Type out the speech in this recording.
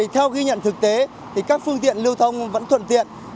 theo ghi nhận thực tế các phương tiện lưu thông vẫn thuận tiện